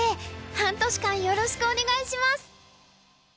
半年間よろしくお願いします！